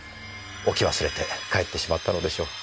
置き忘れて帰ってしまったのでしょう。